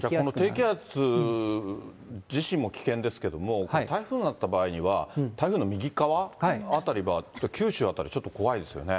この低気圧自身も危険ですけれども、台風になった場合には、台風の右っ側辺りは、九州辺り、ちょっと怖いですよね。